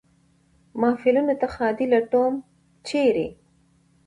محفلونو ته ښادي لټوم ، چېرې ؟